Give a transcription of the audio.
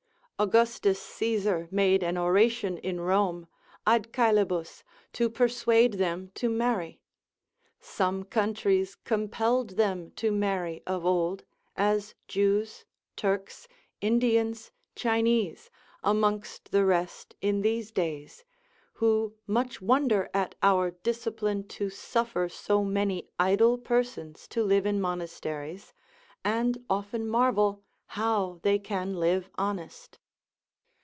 Augustus Caesar made an oration in Rome ad caelibus, to persuade them to marry; some countries compelled them to marry of old, as Jews, Turks, Indians, Chinese, amongst the rest in these days, who much wonder at our discipline to suffer so many idle persons to live in monasteries, and often marvel how they can live honest.